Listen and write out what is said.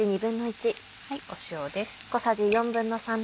塩です。